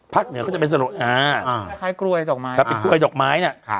พักเหนือก็จะเป็นสะหร่อยอ่าอ่าช้ากล้วยดอกไม้ค่ะ